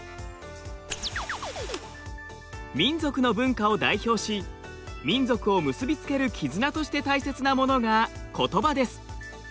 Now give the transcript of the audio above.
民族の文化を代表し民族を結び付ける絆として大切なものがことばです。